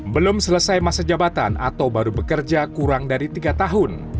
belum selesai masa jabatan atau baru bekerja kurang dari tiga tahun